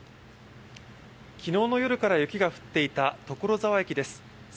昨日の夜から雪が降っていた所沢駅です。